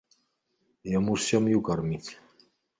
Яму ж сям'ю карміць.